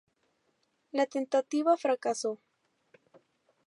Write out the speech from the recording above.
La tentativa fracasó.